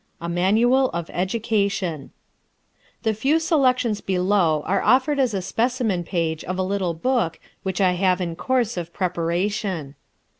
A Manual of Education The few selections below are offered as a specimen page of a little book which I have in course of preparation.